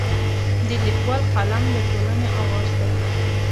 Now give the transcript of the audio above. د لیکوال قلم د ټولنې اواز دی.